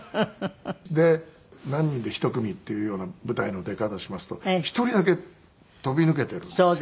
で何人で一組っていうような舞台の出方しますと１人だけ飛び抜けているんですよ。